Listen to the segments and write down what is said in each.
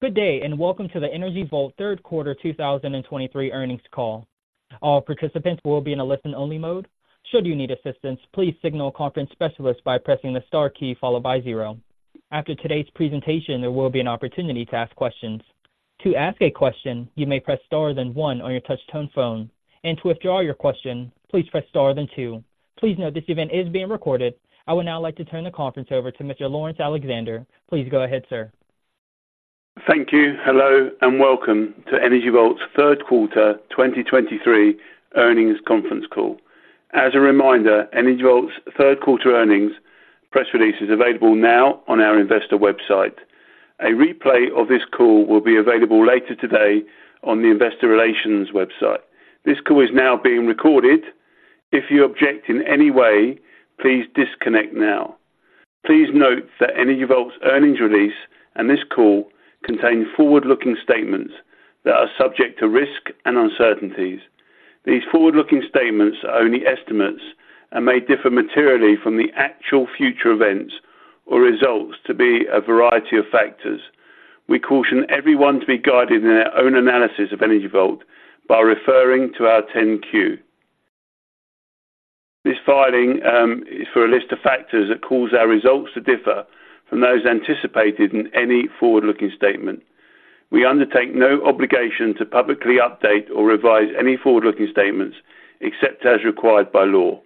Good day, and welcome to the Energy Vault Third Quarter 2023 Earnings Call. All participants will be in a listen-only mode. Should you need assistance, please signal a conference specialist by pressing the star key followed by zero. After today's presentation, there will be an opportunity to ask questions. To ask a question, you may press star then one on your touchtone phone, and to withdraw your question, please press star then two. Please note this event is being recorded. I would now like to turn the conference over to Mr. Laurence Alexander. Please go ahead, sir. Thank you. Hello, and welcome to Energy Vault's Third Quarter 2023 Earnings Conference Call. As a reminder, Energy Vault's third quarter earnings press release is available now on our investor website. A replay of this call will be available later today on the Investor Relations website. This call is now being recorded. If you object in any way, please disconnect now. Please note that Energy Vault's earnings release and this call contain forward-looking statements that are subject to risk and uncertainties. These forward-looking statements are only estimates and may differ materially from the actual future events or results due to a variety of factors. We caution everyone to be guided in their own analysis of Energy Vault by referring to our 10-Q. This filing is for a list of factors that cause our results to differ from those anticipated in any forward-looking statement. We undertake no obligation to publicly update or revise any forward-looking statements, except as required by law.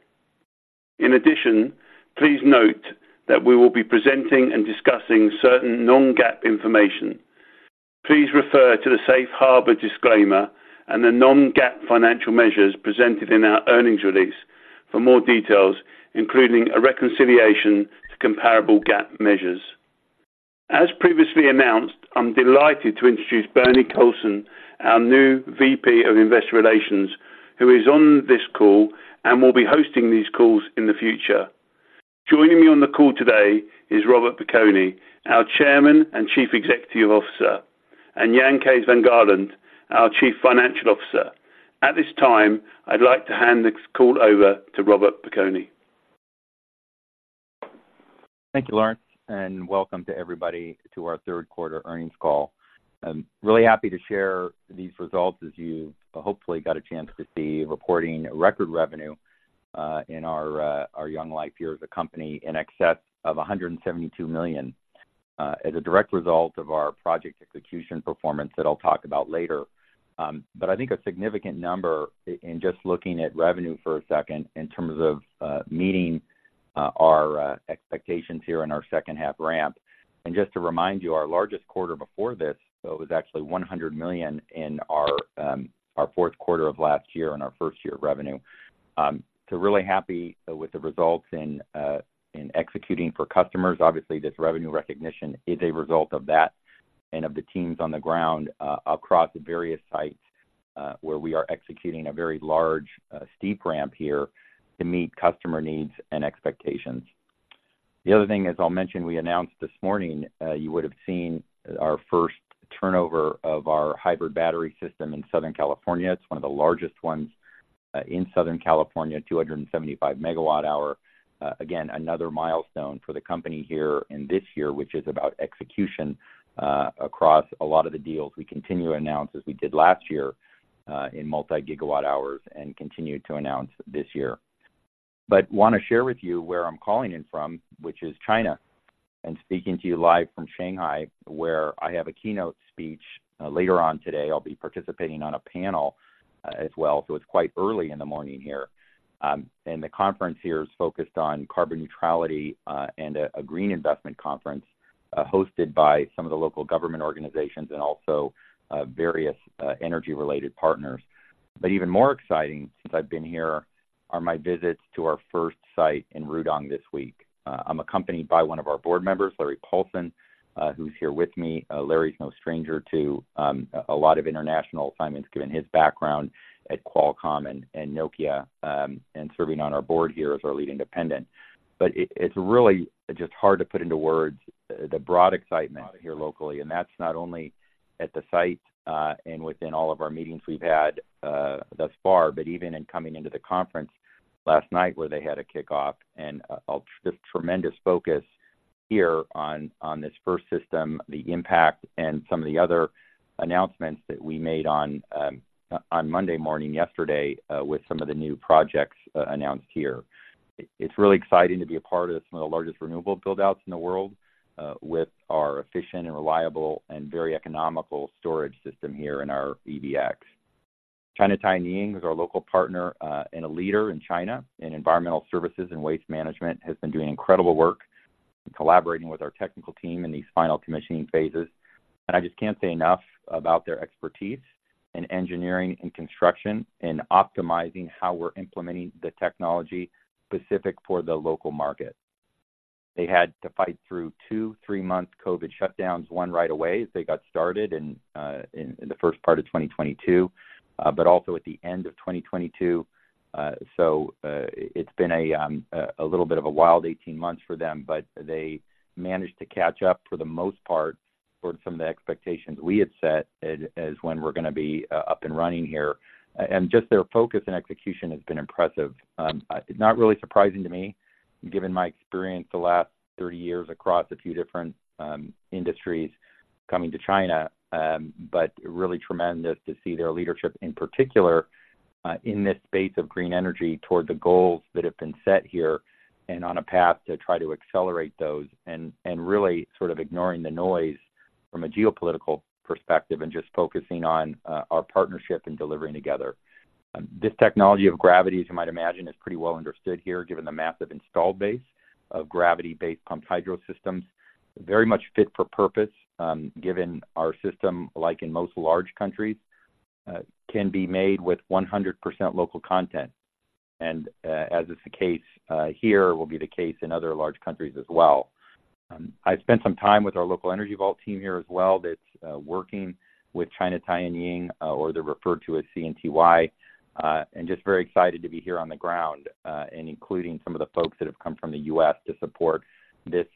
In addition, please note that we will be presenting and discussing certain non-GAAP information. Please refer to the safe harbor disclaimer and the non-GAAP financial measures presented in our earnings release for more details, including a reconciliation to comparable GAAP measures. As previously announced, I'm delighted to introduce Bernie Colson, our new VP of Investor Relations, who is on this call and will be hosting these calls in the future. Joining me on the call today is Robert Piconi, our Chairman and Chief Executive Officer, and Jan Kees van Gaalen, our Chief Financial Officer. At this time, I'd like to hand this call over to Robert Piconi. Thank you, Laurence, and welcome to everybody to our third quarter earnings call. I'm really happy to share these results as you hopefully got a chance to see, reporting record revenue in our young life here as a company in excess of $172 million as a direct result of our project execution performance that I'll talk about later. But I think a significant number in just looking at revenue for a second in terms of meeting our expectations here in our second half ramp. And just to remind you, our largest quarter before this, so it was actually $100 million in our fourth quarter of last year and our first year of revenue. So really happy with the results in executing for customers. Obviously, this revenue recognition is a result of that and of the teams on the ground, across the various sites, where we are executing a very large, steep ramp here to meet customer needs and expectations. The other thing, as I'll mention, we announced this morning. You would have seen our first turnover of our hybrid battery system in Southern California. It's one of the largest ones, in Southern California, 275 MWh. Again, another milestone for the company here in this year, which is about execution, across a lot of the deals. We continue to announce, as we did last year, in multi-gigawatt-hours and continued to announce this year. But want to share with you where I'm calling in from, which is China, and speaking to you live from Shanghai, where I have a keynote speech. Later on today, I'll be participating on a panel, as well. So it's quite early in the morning here. And the conference here is focused on carbon neutrality, and a green investment conference, hosted by some of the local government organizations and also, various, energy-related partners. But even more exciting since I've been here are my visits to our first site in Rudong this week. I'm accompanied by one of our board members, Larry Paulson, who's here with me. Larry's no stranger to a lot of international assignments, given his background at Qualcomm and Nokia, and serving on our board here as our lead independent. But it, it's really just hard to put into words the broad excitement here locally, and that's not only at the site, and within all of our meetings we've had, thus far, but even in coming into the conference last night, where they had a kickoff and, a just tremendous focus here on, on this first system, the impact and some of the other announcements that we made on, on Monday morning, yesterday, with some of the new projects, announced here. It's really exciting to be a part of some of the largest renewable build-outs in the world, with our efficient and reliable and very economical storage system here in our EVx. China Tianying is our local partner, and a leader in China in environmental services and waste management, has been doing incredible work collaborating with our technical team in these final commissioning phases. And I just can't say enough about their expertise in engineering and construction and optimizing how we're implementing the technology specific for the local market. They had to fight through two three-month COVID shutdowns, one right away as they got started in the first part of 2022, but also at the end of 2022. So, it's been a little bit of a wild 18 months for them, but they managed to catch up, for the most part, toward some of the expectations we had set as when we're gonna be up and running here. And just their focus and execution has been impressive. Not really surprising to me, given my experience the last 30 years across a few different industries coming to China, but really tremendous to see their leadership, in particular, in this space of green energy, toward the goals that have been set here and on a path to try to accelerate those, and really sort of ignoring the noise from a geopolitical perspective and just focusing on our partnership and delivering together. This technology of gravity, as you might imagine, is pretty well understood here, given the massive installed base of gravity-based pumped hydro systems. Very much fit for purpose, given our system, like in most large countries, can be made with 100% local content. And, as is the case here, will be the case in other large countries as well. I spent some time with our local Energy Vault team here as well, that's working with China Tianying, or they're referred to as CNTY, and just very excited to be here on the ground, and including some of the folks that have come from the U.S. to support this,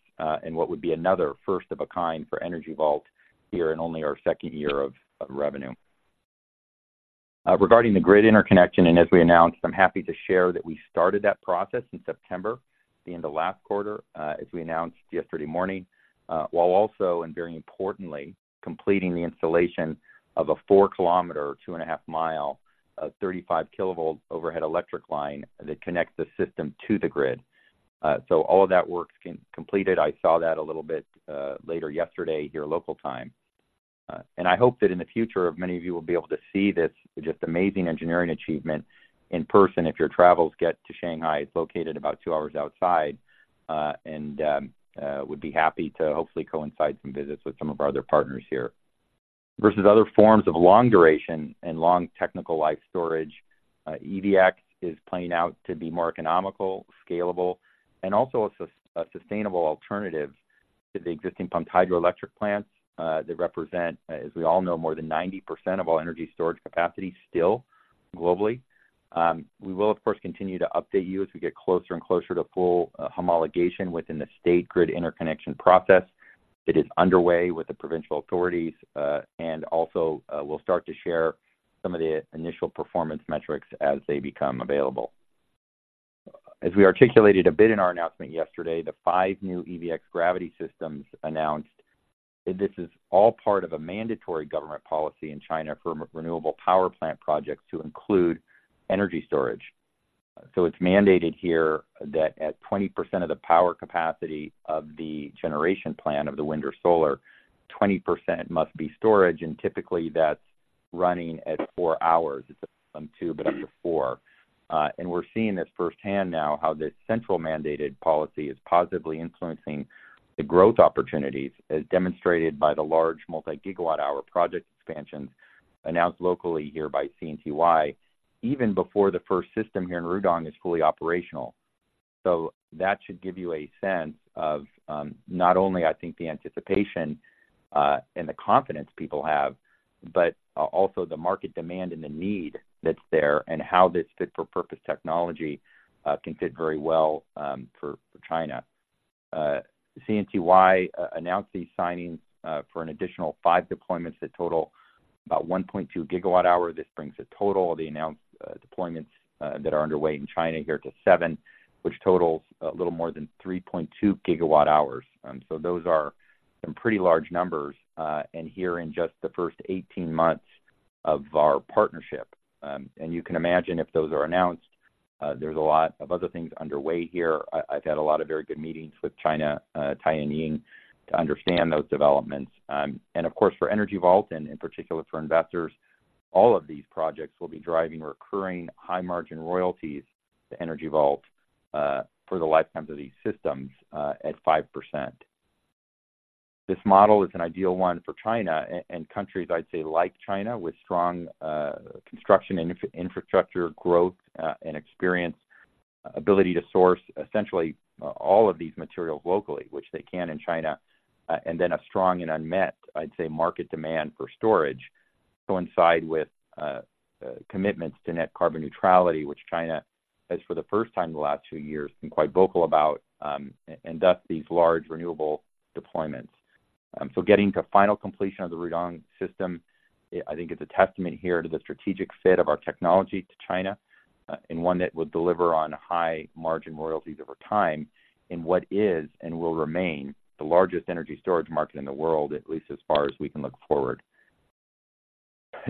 in what would be another first-of-a-kind for Energy Vault here in only our second year of revenue. Regarding the grid interconnection, and as we announced, I'm happy to share that we started that process in September, the end of last quarter, as we announced yesterday morning, while also, and very importantly, completing the installation of a 4 km, or 2.5 mi, 35 kV overhead electric line that connects the system to the grid. So all of that work's completed. I saw that a little bit later yesterday, here local time. I hope that in the future, many of you will be able to see this just amazing engineering achievement in person if your travels get to Shanghai. It's located about two hours outside, and would be happy to hopefully coincide some visits with some of our other partners here. Versus other forms of long duration and long technical life storage, EVx is playing out to be more economical, scalable, and also a sustainable alternative to the existing pumped hydroelectric plants that represent, as we all know, more than 90% of all energy storage capacity still globally. We will, of course, continue to update you as we get closer and closer to full homologation within the State Grid interconnection process. It is underway with the provincial authorities, and also, we'll start to share some of the initial performance metrics as they become available. As we articulated a bit in our announcement yesterday, the five new EVx gravity systems announced, this is all part of a mandatory government policy in China for renewable power plant projects to include energy storage. So it's mandated here that at 20% of the power capacity of the generation plan of the wind or solar, 20% must be storage, and typically, that's running at four hours. It's up from two, but up to four. And we're seeing this firsthand now, how this central mandated policy is positively influencing the growth opportunities, as demonstrated by the large multi-gigawatt-hour project expansions announced locally here by CNTY, even before the first system here in Rudong is fully operational. So that should give you a sense of not only I think the anticipation and the confidence people have, but also the market demand and the need that's there, and how this fit-for-purpose technology can fit very well for China. CNTY announced these signings for an additional five deployments that total about 1.2 GWh. This brings the total of the announced deployments that are underway in China here to seven, which totals a little more than 3.2 GWh. So those are some pretty large numbers and here in just the first 18 months of our partnership. And you can imagine, if those are announced, there's a lot of other things underway here. I've had a lot of very good meetings with China Tianying to understand those developments. And of course, for Energy Vault, and in particular for investors, all of these projects will be driving recurring high-margin royalties to Energy Vault, for the lifetimes of these systems, at 5%. This model is an ideal one for China and countries, I'd say, like China, with strong construction and infrastructure growth, and experience, ability to source essentially all of these materials locally, which they can in China, and then a strong and unmet, I'd say, market demand for storage coincide with commitments to net carbon neutrality, which China has, for the first time in the last two years, been quite vocal about, and thus these large renewable deployments. So getting to final completion of the Rudong system, it, I think is a testament here to the strategic fit of our technology to China, and one that will deliver on high-margin royalties over time, in what is and will remain the largest energy storage market in the world, at least as far as we can look forward.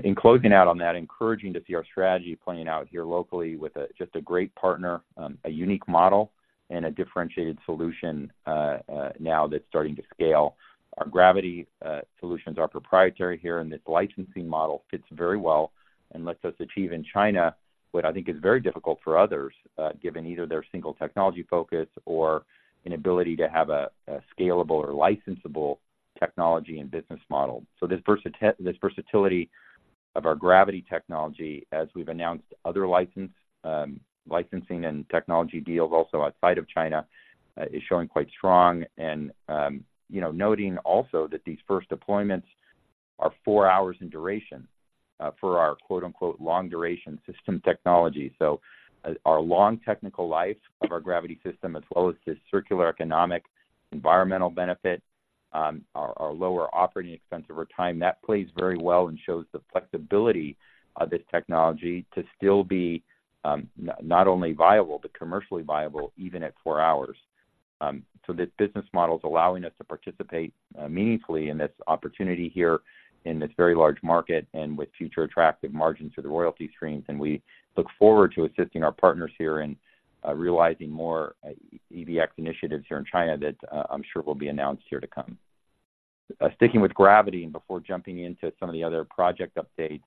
In closing out on that, encouraging to see our strategy playing out here locally with just a great partner, a unique model and a differentiated solution, now that's starting to scale. Our gravity solutions are proprietary here, and this licensing model fits very well and lets us achieve in China what I think is very difficult for others, given either their single technology focus or an ability to have a scalable or licensable technology and business model. So this versatility of our gravity technology, as we've announced other licensing and technology deals also outside of China, is showing quite strong. And you know, noting also that these first deployments are four hours in duration for our quote, unquote, "long-duration system technology." So our long technical life of our gravity system, as well as this circular economic environmental benefit, our lower operating expense over time, that plays very well and shows the flexibility of this technology to still be not only viable, but commercially viable, even at four hours. So this business model is allowing us to participate meaningfully in this opportunity here in this very large market and with future attractive margins for the royalty streams. We look forward to assisting our partners here in realizing more EVx initiatives here in China that I'm sure will be announced here to come. Sticking with gravity and before jumping into some of the other project updates,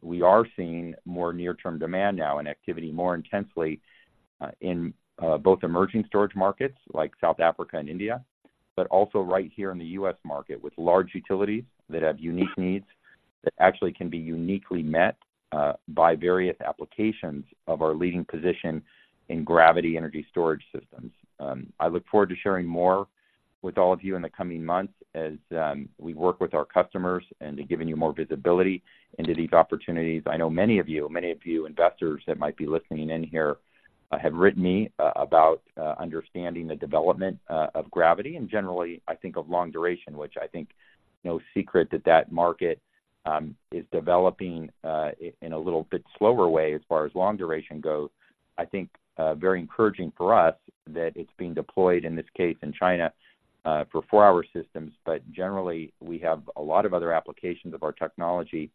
we are seeing more near-term demand now and activity more intensely in both emerging storage markets like South Africa and India, but also right here in the U.S. market, with large utilities that have unique needs that actually can be uniquely met by various applications of our leading position in gravity energy storage systems. I look forward to sharing more with all of you in the coming months as we work with our customers and to giving you more visibility into these opportunities. I know many of you, many of you investors that might be listening in here, have written me about understanding the development of gravity and generally I think of long duration, which I think no secret that that market is developing in a little bit slower way as far as long duration goes. I think, very encouraging for us that it's being deployed, in this case, in China, for four-hour systems. But generally, we have a lot of other applications of our technology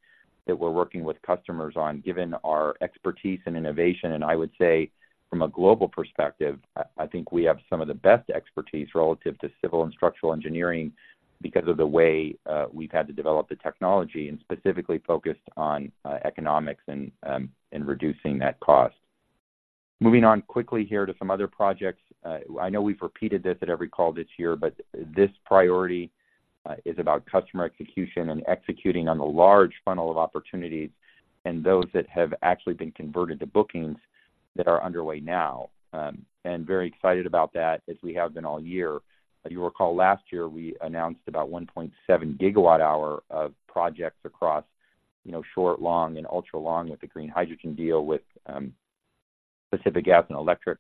that we're working with customers on, given our expertise and innovation. And I would say, from a global perspective, I, I think we have some of the best expertise relative to civil and structural engineering because of the way, we've had to develop the technology and specifically focused on, economics and, and reducing that cost. Moving on quickly here to some other projects. I know we've repeated this at every call this year, but this priority is about customer execution and executing on the large funnel of opportunities and those that have actually been converted to bookings that are underway now. And very excited about that, as we have been all year. You recall, last year we announced about 1.7 GWh of projects across, you know, short, long and ultra long with the green hydrogen deal with Pacific Gas and Electric.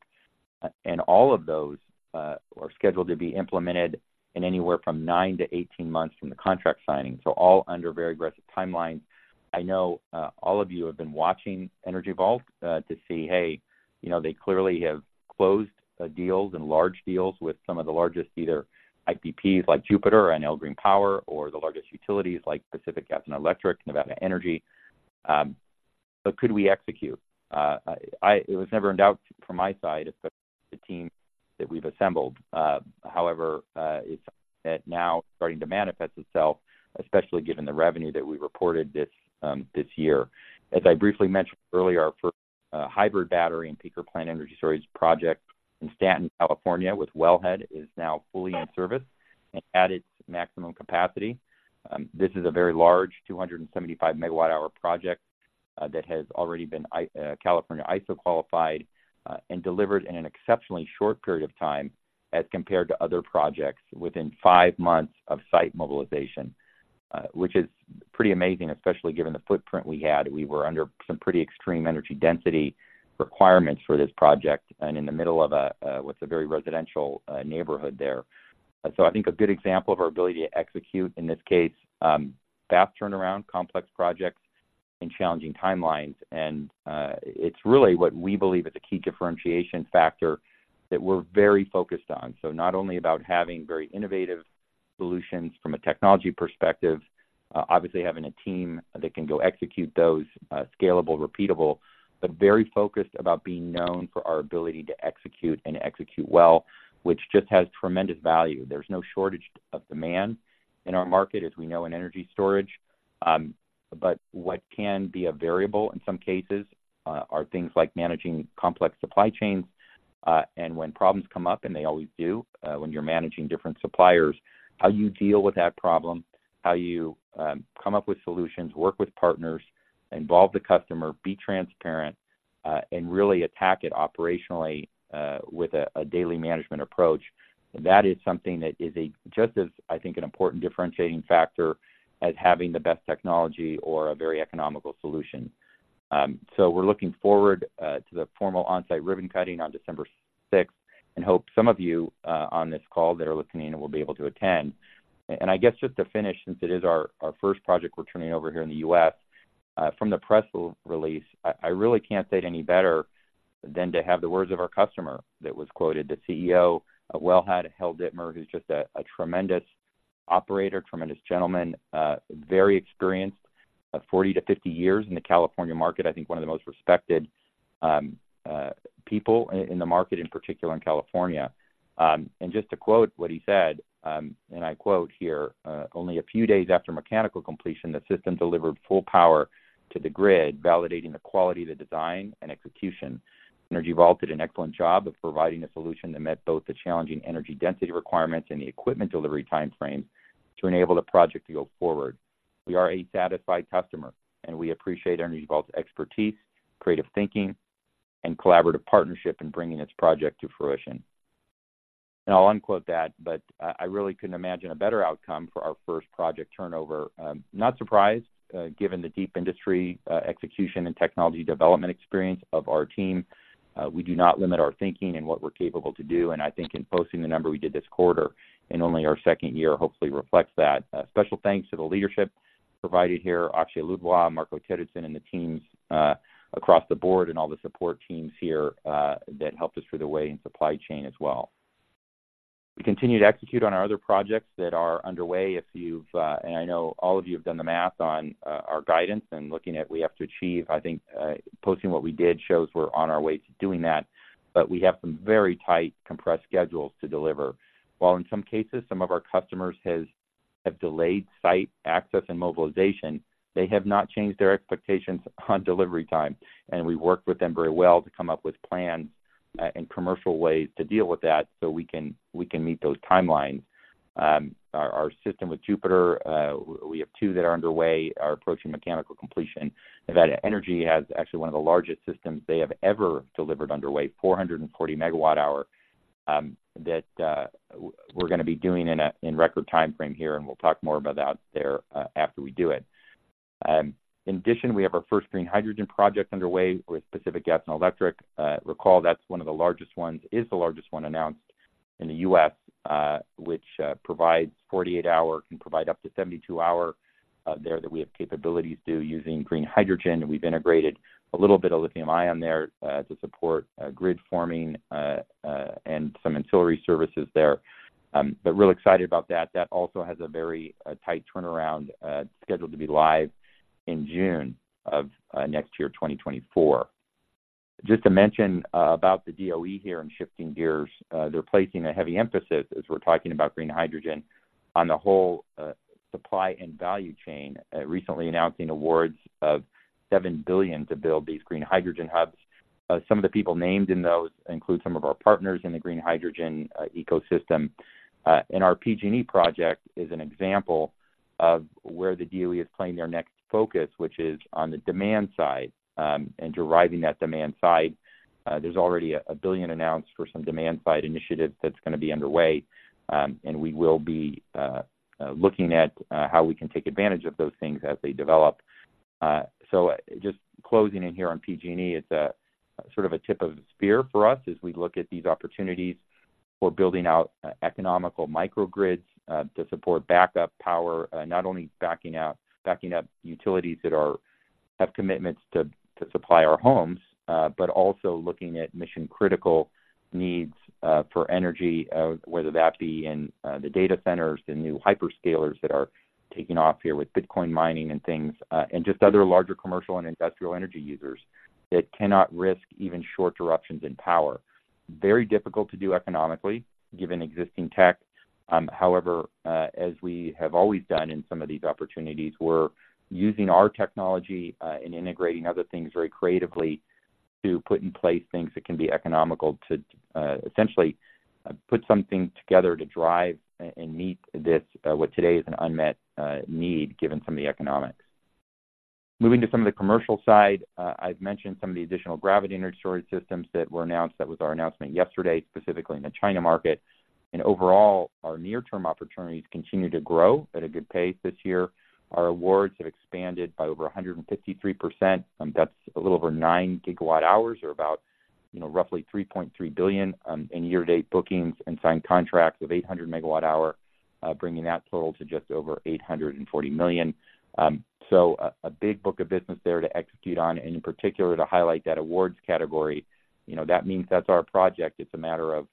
And all of those are scheduled to be implemented in anywhere from nine-18 months from the contract signing. So all under very aggressive timelines. I know, all of you have been watching Energy Vault, to see, hey, you know, they clearly have closed deals and large deals with some of the largest, either IPPs, like Jupiter and Enel Green Power, or the largest utilities like Pacific Gas and Electric, NV Energy. But could we execute? It was never in doubt from my side, especially the team that we've assembled. However, it's that now starting to manifest itself, especially given the revenue that we reported this year. As I briefly mentioned earlier, our first hybrid battery and peaker plant energy storage project in Stanton, California, with Wellhead, is now fully in service and at its maximum capacity. This is a very large 275 MWh project that has already been California ISO qualified and delivered in an exceptionally short period of time as compared to other projects within five months of site mobilization. Which is pretty amazing, especially given the footprint we had. We were under some pretty extreme energy density requirements for this project and in the middle of what's a very residential neighborhood there. So I think a good example of our ability to execute, in this case, fast turnaround, complex projects and challenging timelines. And it's really what we believe is a key differentiation factor that we're very focused on. So not only about having very innovative solutions from a technology perspective, obviously having a team that can go execute those, scalable, repeatable, but very focused about being known for our ability to execute and execute well, which just has tremendous value. There's no shortage of demand in our market, as we know, in energy storage. But what can be a variable in some cases are things like managing complex supply chains. And when problems come up, and they always do, when you're managing different suppliers, how you deal with that problem, how you come up with solutions, work with partners, involve the customer, be transparent, and really attack it operationally, with a daily management approach. That is something that is just as I think an important differentiating factor as having the best technology or a very economical solution. So we're looking forward to the formal on-site ribbon-cutting on December 6th, and hope some of you on this call that are listening in will be able to attend. I guess just to finish, since it is our, our first project we're turning over here in the U.S., from the press release, I really can't say it any better than to have the words of our customer that was quoted, the CEO of Wellhead, Hal Dittmer, who's just a tremendous operator, tremendous gentleman, very experienced, 40-50 years in the California market. I think one of the most respected people in the market, in particular in California. And just to quote what he said, and I quote here, "Only a few days after mechanical completion, the system delivered full power to the grid, validating the quality of the design and execution. Energy Vault did an excellent job of providing a solution that met both the challenging energy density requirements and the equipment delivery time frames to enable the project to go forward. We are a satisfied customer, and we appreciate Energy Vault's expertise, creative thinking, and collaborative partnership in bringing this project to fruition."... And I'll unquote that, but, I really couldn't imagine a better outcome for our first project turnover. Not surprised, given the deep industry execution and technology development experience of our team. We do not limit our thinking and what we're capable to do, and I think in posting the number we did this quarter, in only our second year, hopefully reflects that. A special thanks to the leadership provided here, Akshay Ladwa, Marco Terruzzin, and the teams across the board, and all the support teams here that helped us through the way, and supply chain as well. We continue to execute on our other projects that are underway. If you've, and I know all of you have done the math on, our guidance and looking at we have to achieve. I think, posting what we did shows we're on our way to doing that, but we have some very tight, compressed schedules to deliver. While in some cases, some of our customers have delayed site access and mobilization, they have not changed their expectations on delivery time, and we've worked with them very well to come up with plans and commercial ways to deal with that so we can meet those timelines. Our systems with Jupiter Power, we have two that are underway, are approaching mechanical completion. NV Energy has actually one of the largest systems they have ever delivered underway, 440 MWh, that we're gonna be doing in a record timeframe here, and we'll talk more about that there after we do it. In addition, we have our first green hydrogen project underway with Pacific Gas and Electric. Recall, that's one of the largest ones, is the largest one announced in the U.S., which provides 48-hour, can provide up to 72-hour, there, that we have capabilities to do using green hydrogen. We've integrated a little bit of lithium-ion there to support grid forming and some ancillary services there. But real excited about that. That also has a very tight turnaround, scheduled to be live in June of next year, 2024. Just to mention about the DOE here and shifting gears, they're placing a heavy emphasis, as we're talking about green hydrogen, on the whole supply and value chain. Recently announcing awards of $7 billion to build these green hydrogen hubs. Some of the people named in those include some of our partners in the green hydrogen ecosystem. And our PG&E project is an example of where the DOE is playing their next focus, which is on the demand side, and deriving that demand side. There's already $1 billion announced for some demand-side initiatives that's gonna be underway, and we will be looking at how we can take advantage of those things as they develop. So just closing in here on PG&E, it's a sort of a tip of the spear for us as we look at these opportunities for building out economical microgrids to support backup power. Not only backing up utilities that have commitments to supply our homes, but also looking at mission-critical needs for energy, whether that be in the data centers, the new hyperscalers that are taking off here with Bitcoin mining and things, and just other larger commercial and industrial energy users that cannot risk even short disruptions in power. Very difficult to do economically, given existing tech. However, as we have always done in some of these opportunities, we're using our technology and integrating other things very creatively to put in place things that can be economical to essentially put something together to drive and meet this what today is an unmet need, given some of the economics. Moving to some of the commercial side, I've mentioned some of the additional gravity energy storage systems that were announced. That was our announcement yesterday, specifically in the China market. And overall, our near-term opportunities continue to grow at a good pace this year. Our awards have expanded by over 153%, that's a little over 9 GWh, or about, you know, roughly $3.3 billion, in year-to-date bookings and signed contracts of 800 MWh, bringing that total to just over $840 million. So a big book of business there to execute on, and in particular, to highlight that awards category. You know, that means that's our project. It's a matter of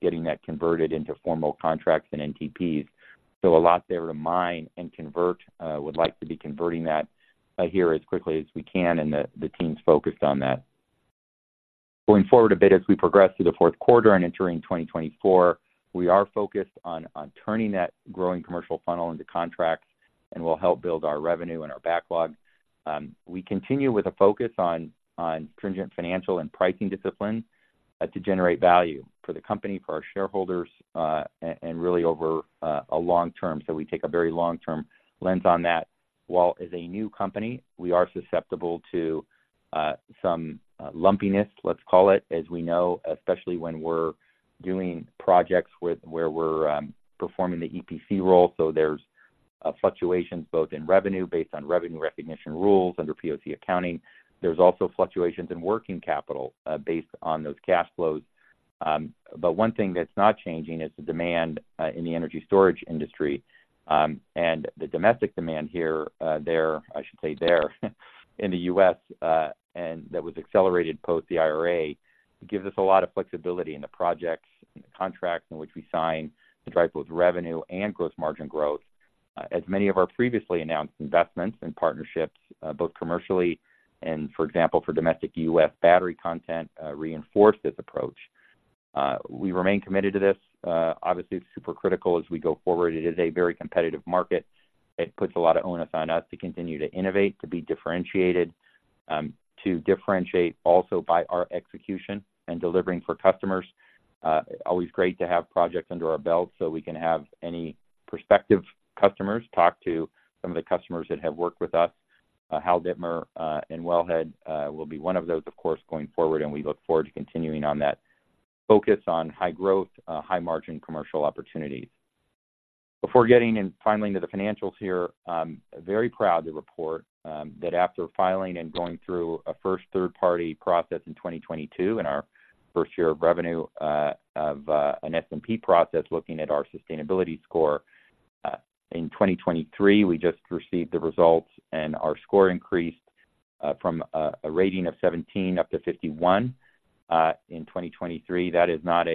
getting that converted into formal contracts and NTPs. So a lot there to mine and convert. Would like to be converting that here as quickly as we can, and the team's focused on that. Going forward a bit as we progress through the fourth quarter and entering 2024, we are focused on turning that growing commercial funnel into contracts and will help build our revenue and our backlog. We continue with a focus on stringent financial and pricing discipline to generate value for the company, for our shareholders, and really over a long term. So we take a very long-term lens on that. While as a new company, we are susceptible to some lumpiness, let's call it, as we know, especially when we're doing projects where we're performing the EPC role. So there's fluctuations both in revenue, based on revenue recognition rules under POC accounting. There's also fluctuations in working capital, based on those cash flows. But one thing that's not changing is the demand in the energy storage industry. And the domestic demand here, there, I should say there, in the U.S., and that was accelerated post the IRA, gives us a lot of flexibility in the projects and the contracts in which we sign to drive both revenue and gross margin growth. As many of our previously announced investments and partnerships, both commercially and, for example, for domestic U.S. battery content, reinforce this approach. We remain committed to this. Obviously, it's super critical as we go forward. It is a very competitive market. It puts a lot of onus on us to continue to innovate, to be differentiated, to differentiate also by our execution and delivering for customers. Always great to have projects under our belt so we can have any prospective customers talk to some of the customers that have worked with us. Hal Dittmer and Wellhead will be one of those, of course, going forward, and we look forward to continuing on that focus on high growth, high margin commercial opportunities. Before getting in finally, into the financials here, very proud to report that after filing and going through a first third-party process in 2022, in our first year of revenue, of an S&P process, looking at our sustainability score, in 2023, we just received the results, and our score increased from a rating of 17 up to 51 in 2023. That is not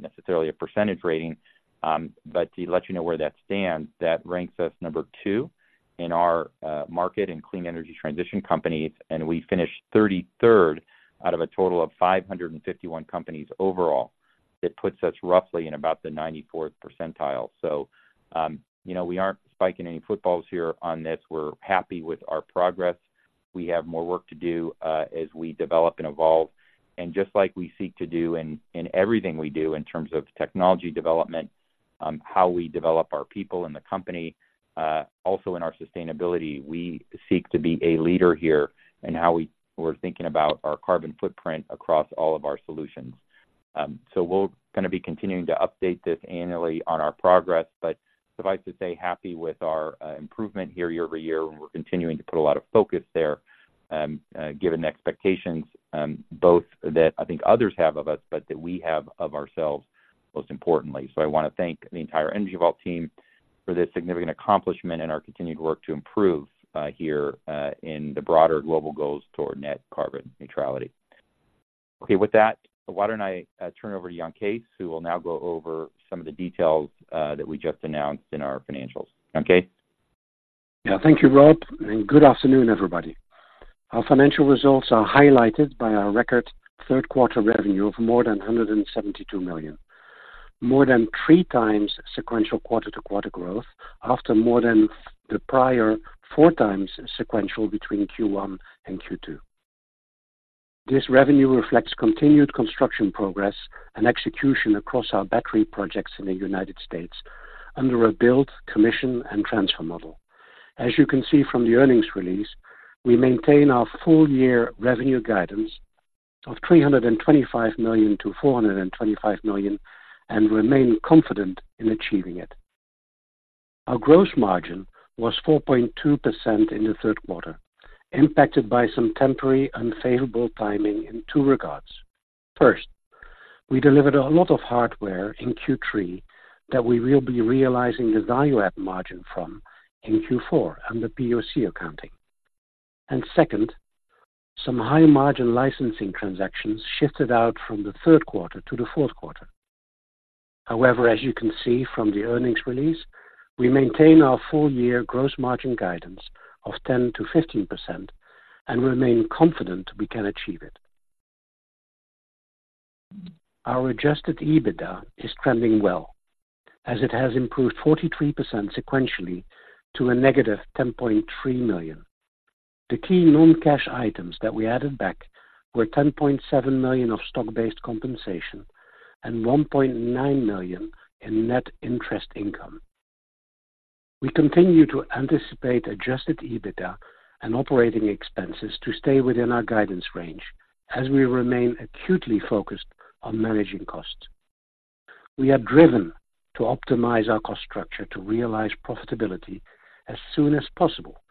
necessarily a percentage rating, but to let you know where that stands, that ranks us number 2 in our market and clean energy transition companies, and we finished 33rd out of a total of 551 companies overall. That puts us roughly in about the 94th percentile. So, you know, we aren't spiking any footballs here on this. We're happy with our progress. We have more work to do, as we develop and evolve. And just like we seek to do in everything we do in terms of technology development, how we develop our people in the company, also in our sustainability, we seek to be a leader here in how we're thinking about our carbon footprint across all of our solutions. So we're gonna be continuing to update this annually on our progress, but suffice to say, happy with our improvement here year-over-year, and we're continuing to put a lot of focus there, given the expectations, both that I think others have of us, but that we have of ourselves, most importantly. So I wanna thank the entire Energy Vault team for this significant accomplishment and our continued work to improve here, in the broader global goals toward net carbon neutrality. Okay, with that, why don't I turn it over to Jan Kees, who will now go over some of the details that we just announced in our financials. Jan Kees? Yeah, thank you, Rob, and good afternoon, everybody. Our financial results are highlighted by our record third quarter revenue of more than $172 million. More than 3x sequential quarter-to-quarter growth, after more than the prior 4x sequential between Q1 and Q2. This revenue reflects continued construction progress and execution across our battery projects in the United States under a build, commission, and transfer model. As you can see from the earnings release, we maintain our full year revenue guidance of $325 million-$425 million and remain confident in achieving it. Our gross margin was 4.2% in the third quarter, impacted by some temporary unfavorable timing in two regards. First, we delivered a lot of hardware in Q3 that we will be realizing the value add margin from in Q4 under POC accounting. And second, some high-margin licensing transactions shifted out from the third quarter to the fourth quarter. However, as you can see from the earnings release, we maintain our full-year gross margin guidance of 10%-15% and remain confident we can achieve it. Our Adjusted EBITDA is trending well, as it has improved 43% sequentially to -$10.3 million. The key non-cash items that we added back were $10.7 million of stock-based compensation and $1.9 million in net interest income. We continue to anticipate Adjusted EBITDA and operating expenses to stay within our guidance range as we remain acutely focused on managing costs. We are driven to optimize our cost structure to realize profitability as soon as possible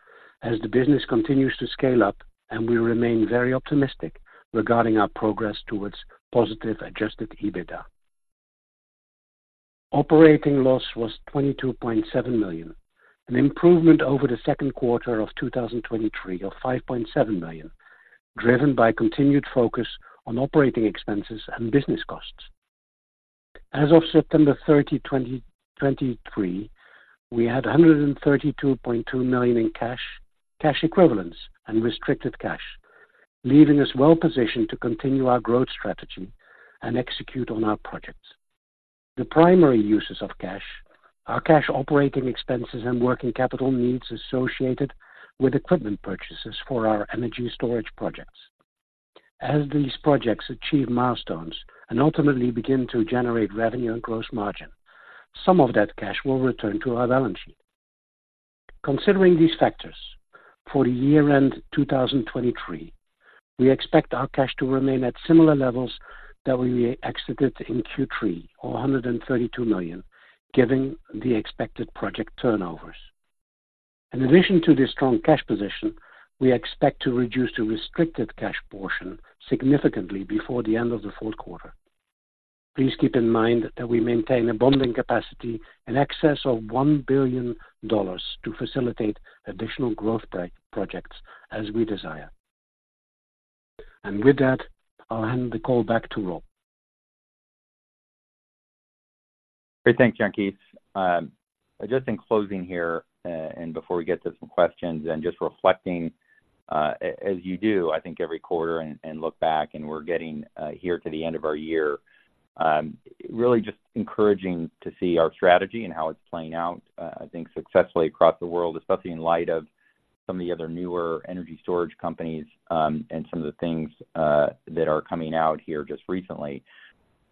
as the business continues to scale up, and we remain very optimistic regarding our progress towards positive Adjusted EBITDA. Operating loss was $22.7 million, an improvement over the second quarter of 2023 of $5.7 million, driven by continued focus on operating expenses and business costs. As of September 30, 2023, we had $132.2 million in cash, cash equivalents, and restricted cash, leaving us well positioned to continue our growth strategy and execute on our projects. The primary uses of cash are cash operating expenses and working capital needs associated with equipment purchases for our energy storage projects. As these projects achieve milestones and ultimately begin to generate revenue and gross margin, some of that cash will return to our balance sheet. Considering these factors, for the year-end 2023, we expect our cash to remain at similar levels that we exited in Q3, or $132 million, giving the expected project turnovers. In addition to this strong cash position, we expect to reduce the restricted cash portion significantly before the end of the fourth quarter. Please keep in mind that we maintain a bonding capacity in excess of $1 billion to facilitate additional growth breakthrough projects as we desire. And with that, I'll hand the call back to Rob. Great, thanks, Jan Kees. Just in closing here, and before we get to some questions and just reflecting, as you do, I think, every quarter and look back, and we're getting here to the end of our year. Really just encouraging to see our strategy and how it's playing out, I think successfully across the world, especially in light of some of the other newer energy storage companies, and some of the things that are coming out here just recently.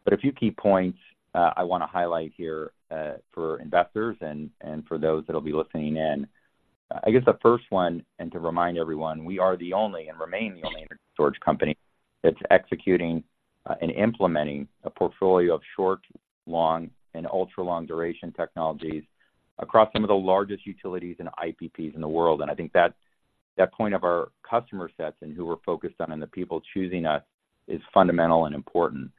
But a few key points I want to highlight here for investors and for those that will be listening in. I guess the first one, and to remind everyone, we are the only and remain the only energy storage company that's executing and implementing a portfolio of short, long, and ultra-long duration technologies across some of the largest utilities and IPPs in the world. I think that point of our customer sets and who we're focused on, and the people choosing us is fundamental and important.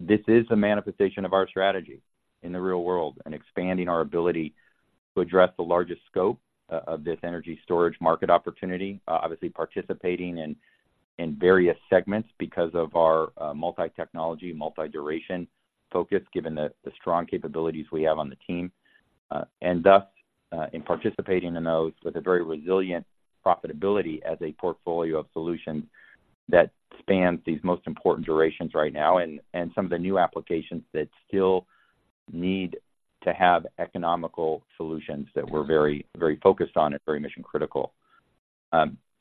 This is a manifestation of our strategy in the real world and expanding our ability to address the largest scope of this energy storage market opportunity. Obviously, participating in various segments because of our multi-technology, multi-duration focus, given the strong capabilities we have on the team. And thus, in participating in those with a very resilient profitability as a portfolio of solutions that spans these most important durations right now and, and some of the new applications that still need to have economical solutions that we're very, very focused on and very mission-critical.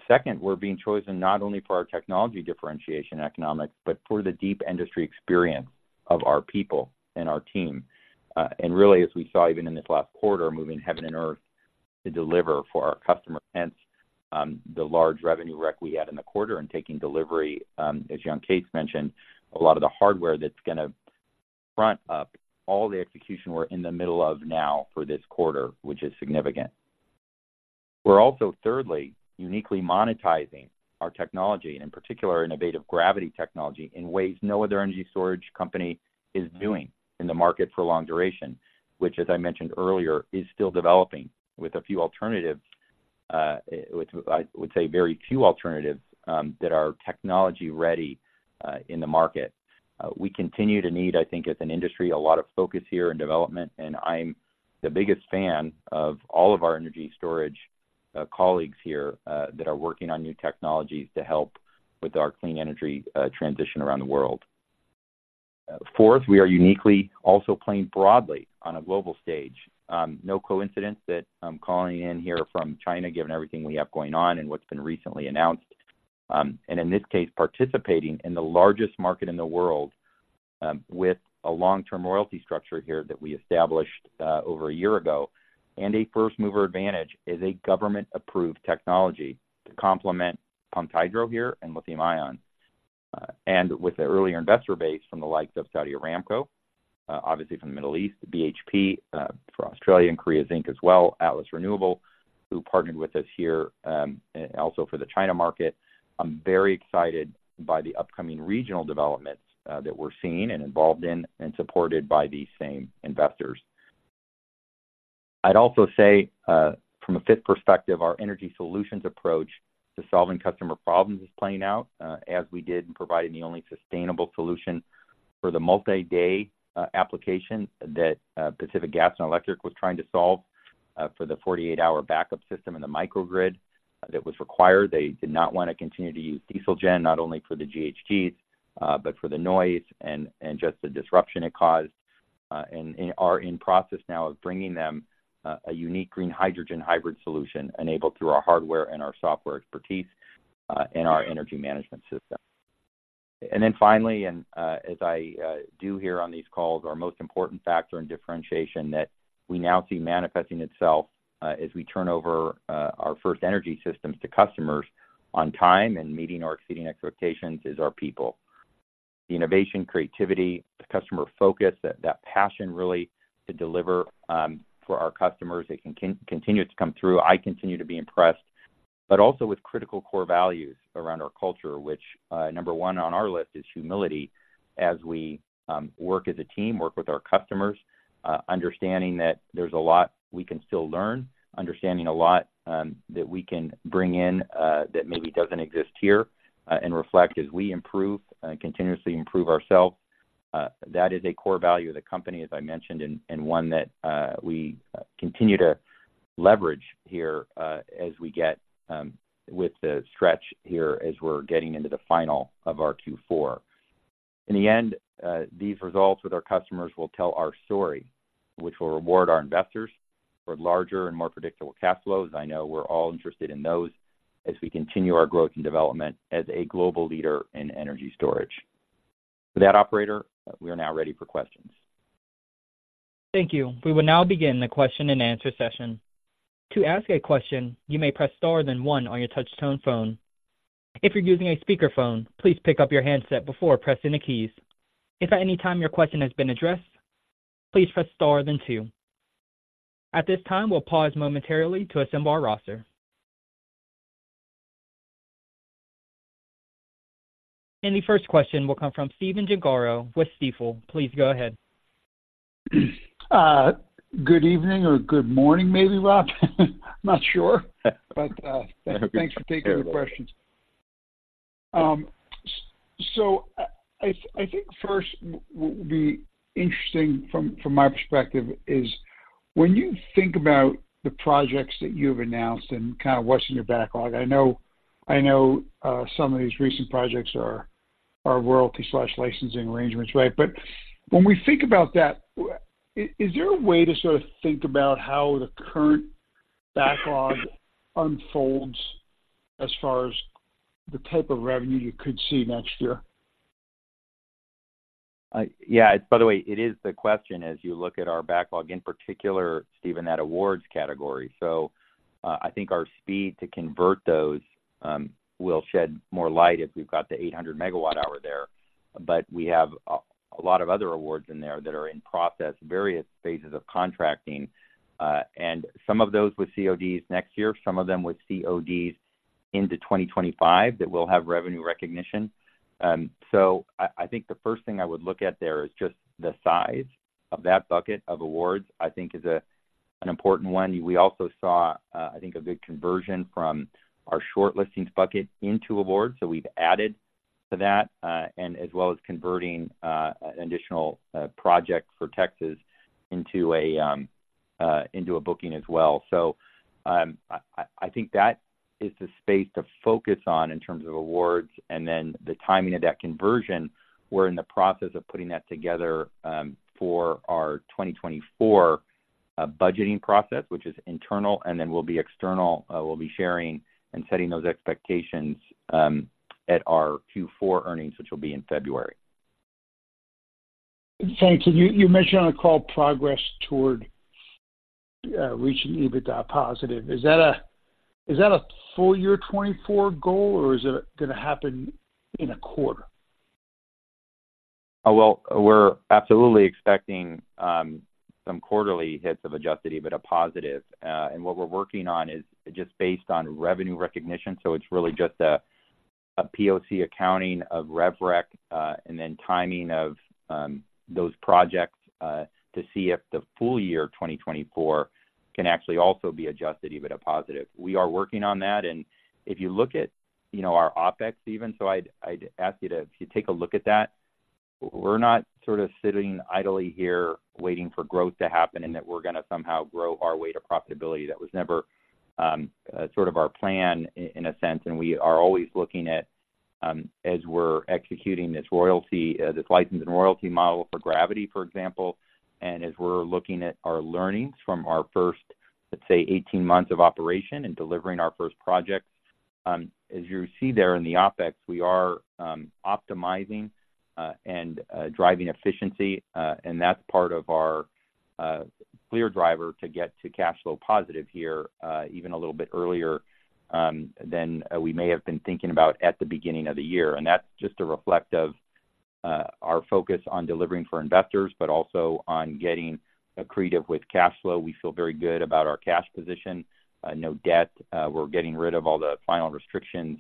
Second, we're being chosen not only for our technology differentiation economics, but for the deep industry experience of our people and our team. And really, as we saw even in this last quarter, moving heaven and earth to deliver for our customer, hence, the large revenue rec we had in the quarter and taking delivery, as Jan Kees mentioned, a lot of the hardware that's going to front up all the execution we're in the middle of now for this quarter, which is significant. We're also, thirdly, uniquely monetizing our technology, and in particular, innovative gravity technology, in ways no other energy storage company is doing in the market for long duration. Which, as I mentioned earlier, is still developing with a few alternatives, which I would say very few alternatives, that are technology-ready, in the market. We continue to need, I think, as an industry, a lot of focus here and development, and I'm the biggest fan of all of our energy storage colleagues here, that are working on new technologies to help with our clean energy transition around the world. Fourth, we are uniquely also playing broadly on a global stage. No coincidence that I'm calling in here from China, given everything we have going on and what's been recently announced. In this case, participating in the largest market in the world, with a long-term royalty structure here that we established over a year ago. A first-mover advantage is a government-approved technology to complement Pumped Hydro here and lithium-ion. With the earlier investor base from the likes of Saudi Aramco, obviously from the Middle East, BHP from Australia, and Korea Zinc as well, Atlas Renewable, who partnered with us here, and also for the China market. I'm very excited by the upcoming regional developments that we're seeing and involved in and supported by these same investors. I'd also say, from a fit perspective, our energy solutions approach to solving customer problems is playing out, as we did in providing the only sustainable solution for the multi-day application that Pacific Gas and Electric was trying to solve, for the 48-hour backup system in the microgrid that was required. They did not want to continue to use diesel gen, not only for the GHGs, but for the noise and just the disruption it caused. And are in process now of bringing them a unique green hydrogen hybrid solution enabled through our hardware and our software expertise, and our energy management system. And then finally, as I do here on these calls, our most important factor in differentiation that we now see manifesting itself, as we turn over our first energy systems to customers on time and meeting or exceeding expectations, is our people. The innovation, creativity, the customer focus, that passion really to deliver for our customers, it continues to come through. I continue to be impressed, but also with critical core values around our culture, which number one on our list is humility. As we work as a team, work with our customers, understanding that there's a lot we can still learn, understanding a lot that we can bring in that maybe doesn't exist here, and reflect as we improve and continuously improve ourselves. That is a core value of the company, as I mentioned, and one that we continue to leverage here, as we get with the stretch here, as we're getting into the final of our Q4. In the end, these results with our customers will tell our story, which will reward our investors for larger and more predictable cash flows. I know we're all interested in those as we continue our growth and development as a global leader in energy storage. With that, operator, we are now ready for questions. Thank you. We will now begin the question-and-answer session. To ask a question, you may press star then one on your touch tone phone. If you're using a speakerphone, please pick up your handset before pressing the keys. If at any time your question has been addressed, please press star then two. At this time, we'll pause momentarily to assemble our roster. The first question will come from Stephen Gengaro with Stifel. Please go ahead. Good evening or good morning, maybe, Rob? I'm not sure. But, thanks for taking the questions. So I think first, what would be interesting from my perspective is, when you think about the projects that you've announced and kind of what's in your backlog, I know some of these recent projects are royalty/licensing arrangements, right? But when we think about that, is there a way to sort of think about how the current backlog unfolds as far as the type of revenue you could see next year? Yeah, by the way, it is the question as you look at our backlog, in particular, Stephen, that awards category. So, I think our speed to convert those will shed more light if we've got the 800 MW hour there. But we have a lot of other awards in there that are in process, various phases of contracting, and some of those with CODs next year, some of them with CODs into 2025, that will have revenue recognition. So I think the first thing I would look at there is just the size of that bucket of awards. I think is an important one. We also saw, I think, a good conversion from our short listings bucket into awards, so we've added to that, and as well as converting an additional project for Texas into a booking as well. So, I think that is the space to focus on in terms of awards and then the timing of that conversion. We're in the process of putting that together for our 2024 budgeting process, which is internal and then will be external. We'll be sharing and setting those expectations at our Q4 earnings, which will be in February. Thanks. And you mentioned on the call progress toward reaching EBITDA positive. Is that a full year 2024 goal, or is it gonna happen in a quarter? Well, we're absolutely expecting some quarterly hits of Adjusted EBITDA positive. And what we're working on is just based on revenue recognition, so it's really just a POC accounting of Rev Rec, and then timing of those projects to see if the full year 2024 can actually also be Adjusted EBITDA positive. We are working on that, and if you look at, you know, our OpEx even. So I'd ask you to, if you take a look at that, we're not sort of sitting idly here waiting for growth to happen and that we're gonna somehow grow our way to profitability. That was never sort of our plan in a sense, and we are always looking at, as we're executing this royalty, this license and royalty model for gravity, for example, and as we're looking at our learnings from our first, let's say, 18 months of operation and delivering our first projects, as you see there in the OpEx, we are optimizing and driving efficiency, and that's part of our clear driver to get to cash flow positive here, even a little bit earlier than we may have been thinking about at the beginning of the year. And that's just a reflection of our focus on delivering for investors, but also on getting accretive with cash flow. We feel very good about our cash position. No debt. We're getting rid of all the final restrictions,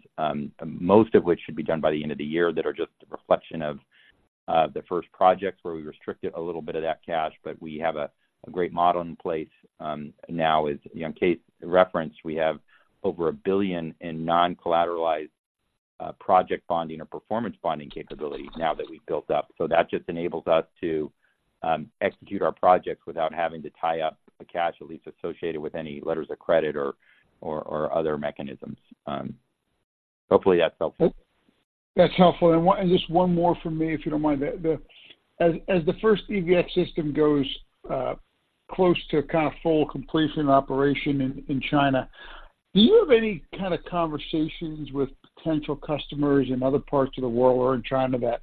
most of which should be done by the end of the year, that are just a reflection of the first projects, where we restricted a little bit of that cash. But we have a great model in place. Now, as you know, Kate referenced, we have over $1 billion in noncollateralized project bonding or performance bonding capability now that we've built up. So that just enables us to execute our projects without having to tie up the cash, at least associated with any letters of credit or other mechanisms. Hopefully that's helpful. That's helpful. And just one more from me, if you don't mind. As the first EVx system goes close to kind of full completion and operation in China, do you have any kind of conversations with potential customers in other parts of the world or in China, that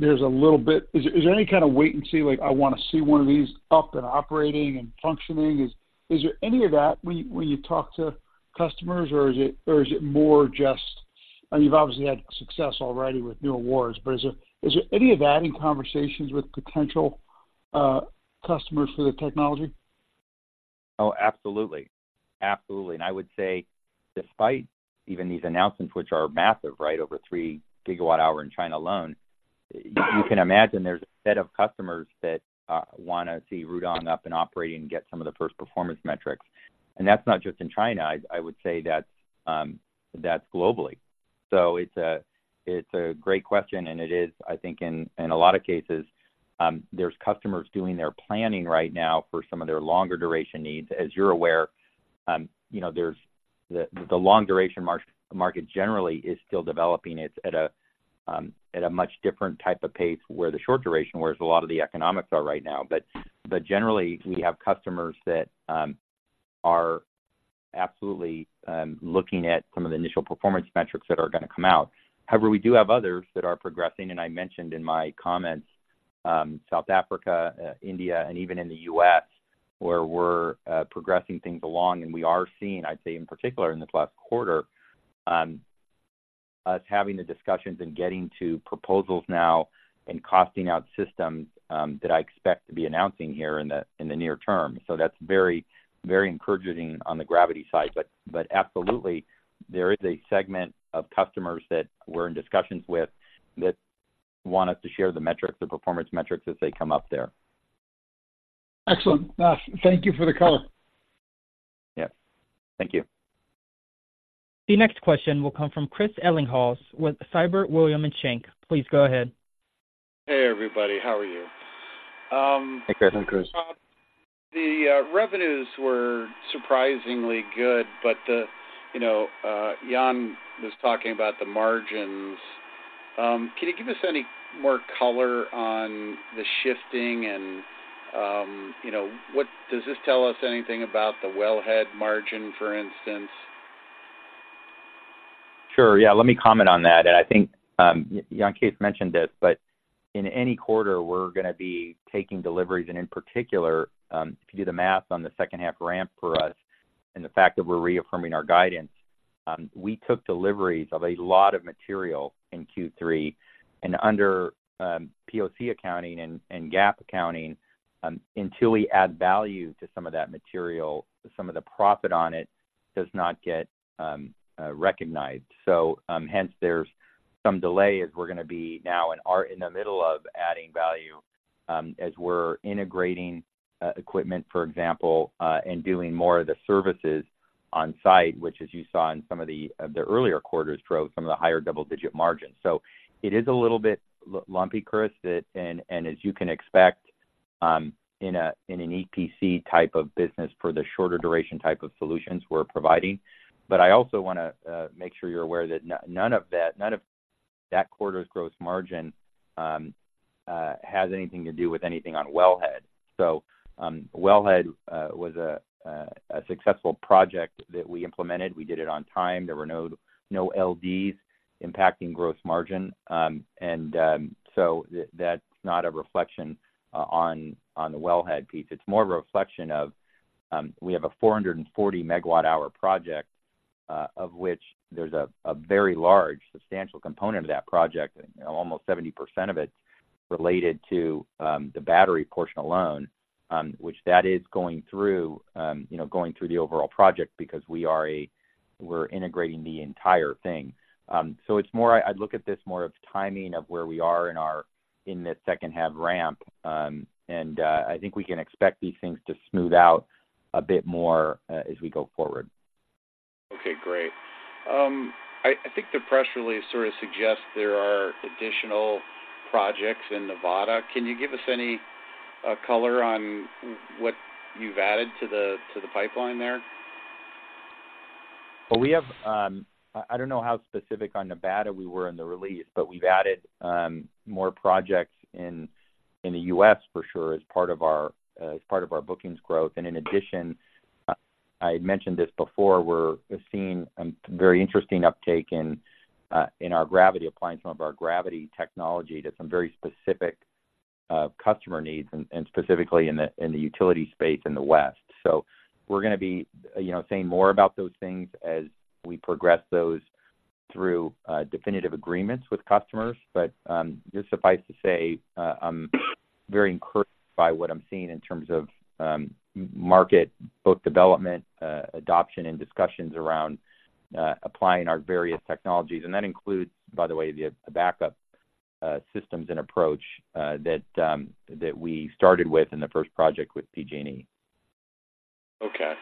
there's a little bit—Is there any kind of wait and see, like, I want to see one of these up and operating and functioning? Is there any of that when you talk to customers, or is it more just... I mean, you've obviously had success already with new awards, but is there any of that in conversations with potential customers for the technology? Oh, absolutely. Absolutely. And I would say, despite even these announcements, which are massive, right, over 3 GWh in China alone, you can imagine there's a set of customers that want to see Rudong up and operating and get some of the first performance metrics. And that's not just in China. I would say that's globally. So it's a great question, and it is, I think, in a lot of cases, there's customers doing their planning right now for some of their longer duration needs. As you're aware, you know, the long duration market generally is still developing. It's at a much different type of pace where the short duration, where there's a lot of the economics are right now. But, but generally, we have customers that are absolutely looking at some of the initial performance metrics that are gonna come out. However, we do have others that are progressing, and I mentioned in my comments, South Africa, India, and even in the U.S., where we're progressing things along. And we are seeing, I'd say in particular in this last quarter, us having the discussions and getting to proposals now and costing out systems that I expect to be announcing here in the near term. So that's very, very encouraging on the Gravity side. But, but absolutely, there is a segment of customers that we're in discussions with that want us to share the metrics, the performance metrics, as they come up there. Excellent. Thank you for the color. Yeah. Thank you. The next question will come from Chris Ellinghaus with Siebert Williams Shank. Please go ahead. Hey, everybody. How are you? Hey, Chris. I'm Chris. The revenues were surprisingly good, but the, you know, Jan was talking about the margins. Can you give us any more color on the shifting? And, you know, what does this tell us anything about the Wellhead margin, for instance? Sure. Yeah, let me comment on that. And I think, Jan Kees mentioned this, but in any quarter, we're gonna be taking deliveries, and in particular, if you do the math on the second half ramp for us and the fact that we're reaffirming our guidance, we took deliveries of a lot of material in Q3. And under, POC accounting and GAAP accounting, until we add value to some of that material, some of the profit on it does not get recognized. So, hence, there's some delay as we're gonna be now and are in the middle of adding value, as we're integrating, equipment, for example, and doing more of the services on site, which, as you saw in some of the earlier quarters, drove some of the higher double-digit margins. So it is a little bit lumpy, Chris, that... And as you can expect, in an EPC type of business for the shorter duration type of solutions we're providing. But I also want to make sure you're aware that none of that, none of that quarter's gross margin, has anything to do with anything on Wellhead. So Wellhead was a successful project that we implemented. We did it on time. There were no LDs impacting gross margin. And so that's not a reflection on the Wellhead piece. It's more of a reflection of, we have a 440 MWh project, of which there's a, a very large, substantial component of that project, you know, almost 70% of it, related to, the battery portion alone, which that is going through, you know, going through the overall project because we are a-- we're integrating the entire thing. So it's more-- I'd look at this more of timing of where we are in our, in this second-half ramp. And, I think we can expect these things to smooth out a bit more, as we go forward. Okay, great. I think the press release sort of suggests there are additional projects in Nevada. Can you give us any color on what you've added to the pipeline there? Well, we have... I don't know how specific on Nevada we were in the release, but we've added more projects in the U.S. for sure, as part of our bookings growth. And in addition, I had mentioned this before, we're seeing some very interesting uptake in our Gravity, applying some of our Gravity technology to some very specific customer needs and specifically in the utility space in the West. So we're gonna be, you know, saying more about those things as we progress those through definitive agreements with customers. But just suffice to say, I'm very encouraged by what I'm seeing in terms of market, both development, adoption and discussions around applying our various technologies. That includes, by the way, the backup systems and approach that we started with in the first project with PG&E. Okay.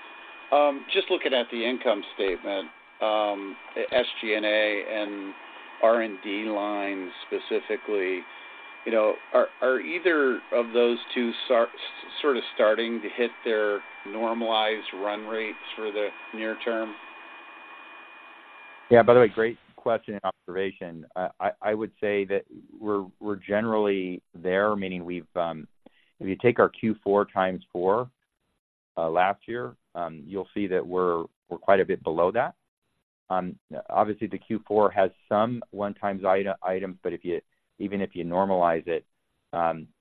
Just looking at the income statement, the SG&A and R&D lines specifically, you know, are either of those two starting to sort of hit their normalized run rates for the near term? Yeah. By the way, great question and observation. I would say that we're generally there, meaning we've, if you take our Q4 x four last year, you'll see that we're quite a bit below that. Obviously, the Q4 has some one-time items, but even if you normalize it,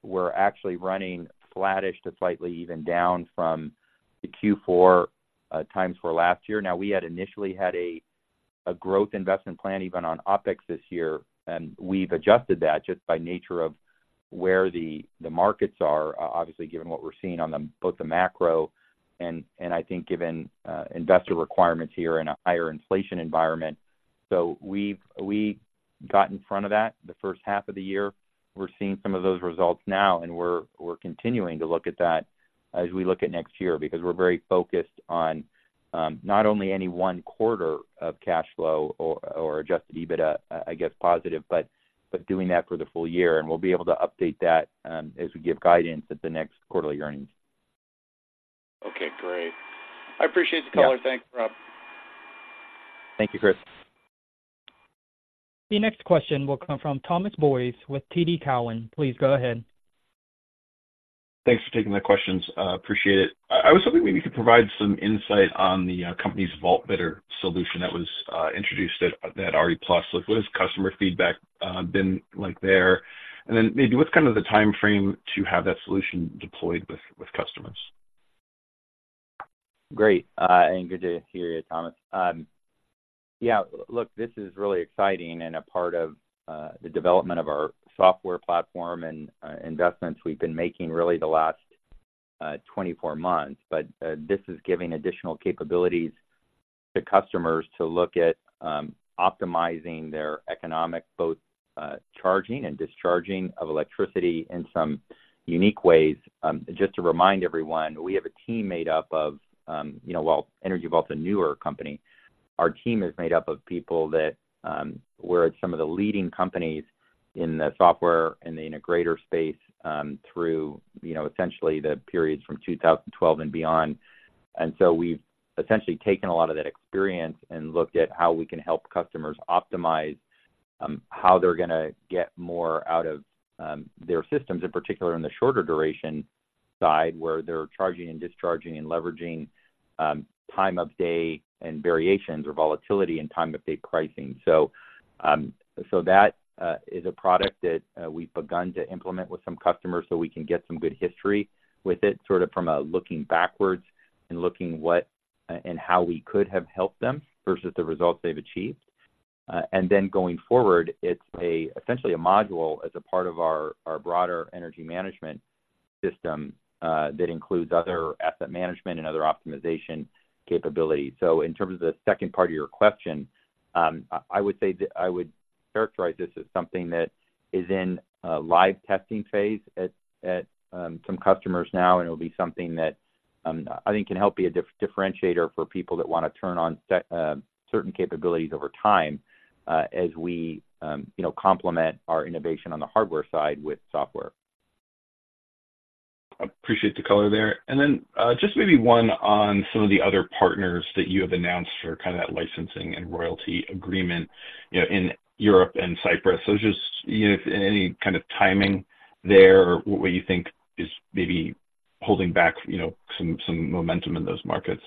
we're actually running flattish to slightly even down from the Q4 x four last year. Now, we had initially had a growth investment plan, even on OpEx this year, and we've adjusted that just by nature of where the markets are, obviously, given what we're seeing on both the macro and I think, given investor requirements here in a higher inflation environment. So we've got in front of that the first half of the year. We're seeing some of those results now, and we're continuing to look at that as we look at next year, because we're very focused on not only any one quarter of cash flow or Adjusted EBITDA positive, but doing that for the full year. We'll be able to update that as we give guidance at the next quarterly earnings. Okay, great. I appreciate the color. Yeah. Thanks, Rob. Thank you, Chris. The next question will come from Thomas Boyes with TD Cowen. Please go ahead. Thanks for taking the questions. Appreciate it. I was hoping maybe you could provide some insight on the company's Vault-Bidder solution that was introduced at RE+. Like, what has customer feedback been like there? And then maybe what's kind of the timeframe to have that solution deployed with customers? Great, and good to hear you, Thomas. Yeah, look, this is really exciting and a part of the development of our software platform and investments we've been making really the last 24 months. But this is giving additional capabilities to customers to look at optimizing their economic, both charging and discharging of electricity in some unique ways. Just to remind everyone, we have a team made up of, you know, well, Energy Vault's a newer company. Our team is made up of people that were at some of the leading companies in the software and the integrator space, through, you know, essentially the periods from 2012 and beyond. And so we've essentially taken a lot of that experience and looked at how we can help customers optimize how they're gonna get more out of their systems, in particular, in the shorter duration side, where they're charging and discharging and leveraging time of day and variations or volatility in time of day pricing. So that is a product that we've begun to implement with some customers so we can get some good history with it, sort of from a looking backwards and looking what and, and how we could have helped them versus the results they've achieved. And then going forward, it's essentially a module as a part of our broader energy management system that includes other asset management and other optimization capabilities. So in terms of the second part of your question, I would say that I would characterize this as something that is in a live testing phase at some customers now, and it'll be something that I think can help be a differentiator for people that want to turn on set certain capabilities over time, as we, you know, complement our innovation on the hardware side with software. I appreciate the color there. And then, just maybe one on some of the other partners that you have announced for kind of that licensing and royalty agreement, you know, in Europe and Cyprus. So just, you know, any kind of timing there, or what you think is maybe holding back, you know, some momentum in those markets?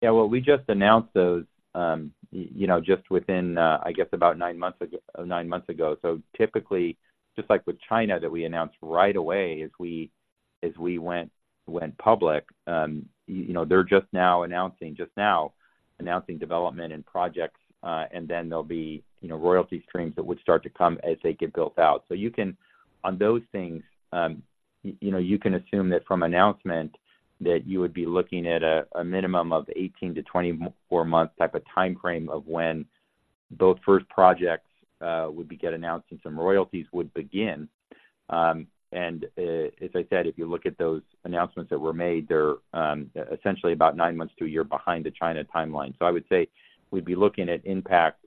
Yeah, well, we just announced those, you know, just within, I guess about nine months ago, nine months ago. So typically, just like with China, that we announced right away as we went public, you know, they're just now announcing development and projects. And then there'll be, you know, royalty streams that would start to come as they get built out. So you can, on those things, you know, you can assume that from announcement, that you would be looking at a minimum of 18-24 months type of time frame of when those first projects would get announced and some royalties would begin. And, as I said, if you look at those announcements that were made, they're essentially about nine months to a year behind the China timeline. So I would say we'd be looking at impacts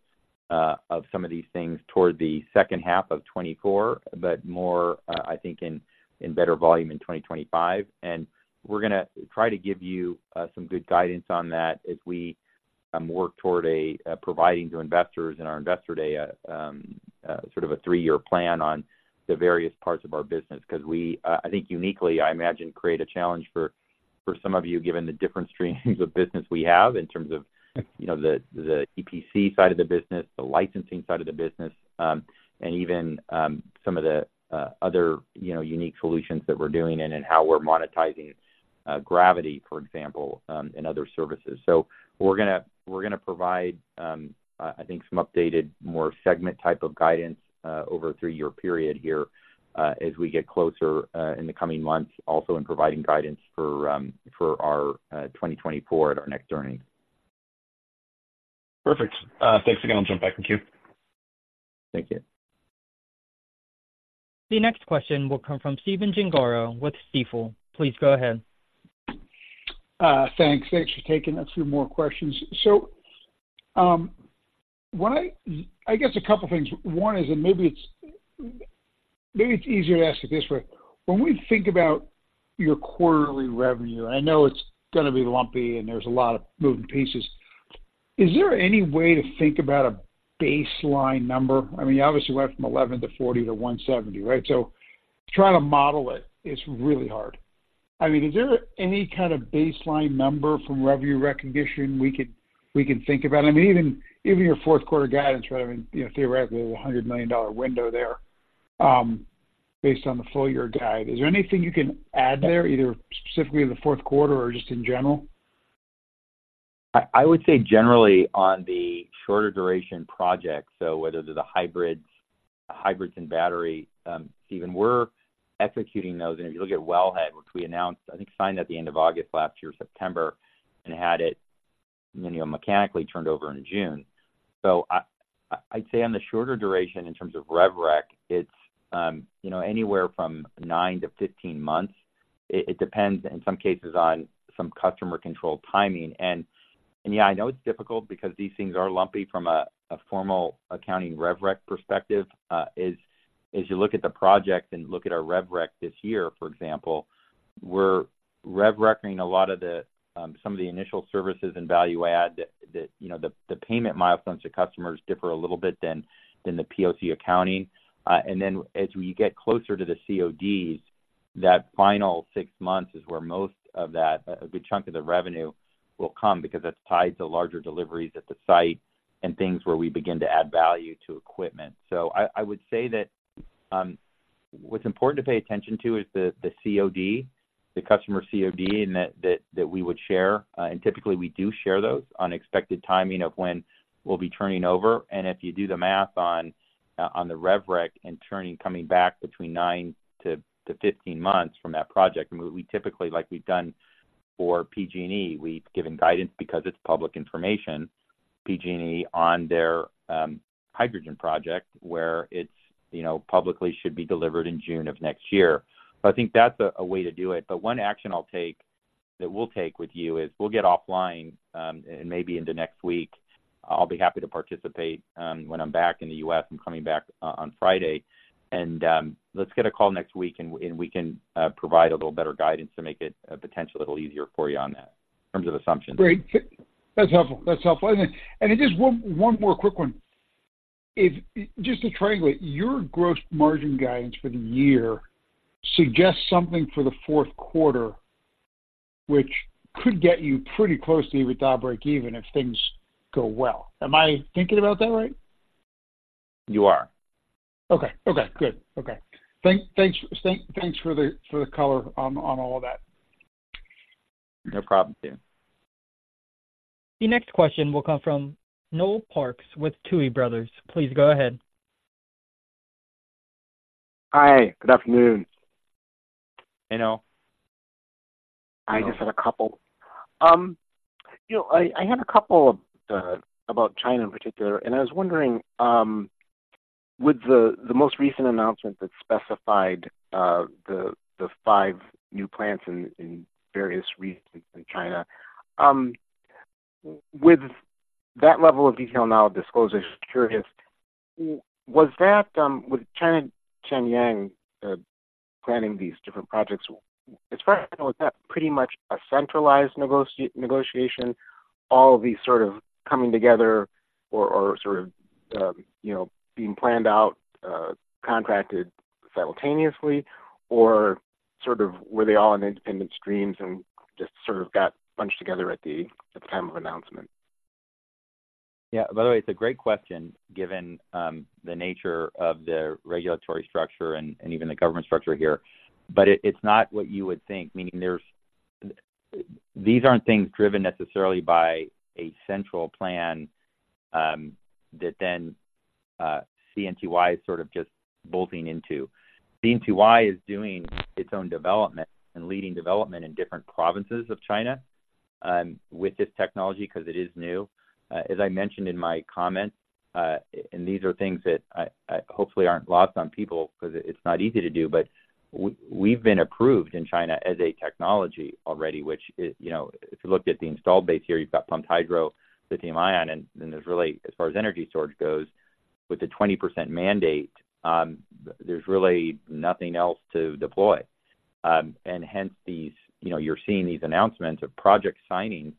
of some of these things toward the second half of 2024, but more, I think in better volume in 2025. And we're gonna try to give you some good guidance on that as we work toward providing to investors in our Investor Day sort of a three-year plan on the various parts of our business. Because we, I think uniquely, I imagine, create a challenge for some of you, given the different streams of business we have in terms of, you know, the EPC side of the business, the licensing side of the business, and even some of the other, you know, unique solutions that we're doing and in how we're monetizing gravity, for example, and other services. So we're gonna provide, I think some updated, more segment type of guidance over a three-year period here as we get closer in the coming months, also in providing guidance for our 2024 at our next earnings. Perfect. Thanks again. I'll jump back in queue. Thank you. The next question will come from Stephen Gengaro with Stifel. Please go ahead. Thanks. Thanks for taking a few more questions. So, what I guess a couple things. One is that maybe it's, maybe it's easier to ask it this way. When we think about your quarterly revenue, I know it's gonna be lumpy and there's a lot of moving pieces. Is there any way to think about a baseline number? I mean, you obviously went from 11 to 40 to 170, right? So trying to model it is really hard. I mean, is there any kind of baseline number from revenue recognition we could, we can think about? I mean, even, even your fourth quarter guidance, right, I mean, you know, theoretically, there's a $100 million window there, based on the full year guide. Is there anything you can add there, either specifically in the fourth quarter or just in general? I would say generally on the shorter duration project, so whether they're the hybrids, hybrids and battery, even we're executing those. And if you look at Wellhead, which we announced, I think, signed at the end of August last year, September, and had it, you know, mechanically turned over in June. So I'd say on the shorter duration in terms of Rev Rec, it's, you know, anywhere from nine-15 months. It depends, in some cases, on some customer control timing. And yeah, I know it's difficult because these things are lumpy from a formal accounting Rev Rec perspective. As you look at the project and look at our Rev Rec this year, for example, we're Rev Rec-ing a lot of the some of the initial services and value add that you know the payment milestones to customers differ a little bit than the POC accounting. And then as we get closer to the CODs, that final six months is where most of that, a good chunk of the revenue will come because that's tied to larger deliveries at the site and things where we begin to add value to equipment. So I would say that what's important to pay attention to is the COD, the customer COD, and that we would share. And typically we do share those on expected timing of when we'll be turning over. And if you do the math on the Rev Rec and coming back between nine-15 months from that project, we typically, like we've done for PG&E, we've given guidance because it's public information, PG&E on their hydrogen project, where it's, you know, publicly should be delivered in June of next year. So I think that's a way to do it. But one action that we'll take with you is we'll get offline and maybe into next week. I'll be happy to participate when I'm back in the U.S. I'm coming back on Friday. And let's get a call next week, and we can provide a little better guidance to make it potentially a little easier for you on that, in terms of assumptions. Great. That's helpful. That's helpful. And then, just one more quick one. Just to triangulate, your gross margin guidance for the year suggests something for the fourth quarter, which could get you pretty closely with breakeven if things go well. Am I thinking about that right? You are. Okay. Okay, good. Okay. Thanks for the color on all of that. No problem, Dan. The next question will come from Noel Parks with Tuohy Brothers. Please go ahead. Hi, good afternoon. You know, I had a couple of about China in particular, and I was wondering, with the most recent announcement that specified the five new plants in various regions in China, with that level of detail now disclosure, just curious, was that with China CNTY planning these different projects, as far as I know, is that pretty much a centralized negotiation, all of these sort of coming together or sort of you know, being planned out, contracted simultaneously? Or sort of, were they all in independent streams and just sort of got bunched together at the time of announcement? Yeah, by the way, it's a great question, given the nature of the regulatory structure and even the government structure here. But it, it's not what you would think. Meaning, there's these aren't things driven necessarily by a central plan, that then CNTY is sort of just bolting into. CNTY is doing its own development and leading development in different provinces of China with this technology, because it is new. As I mentioned in my comments, and these are things that I hopefully aren't lost on people because it's not easy to do, but we've been approved in China as a technology already, which is, you know, if you looked at the installed base here, you've got pumped hydro, lithium-ion, and then there's really, as far as energy storage goes, with the 20% mandate, there's really nothing else to deploy. And hence these, you know, you're seeing these announcements of project signings